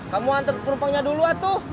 kamu hantar perumpangnya dulu atuh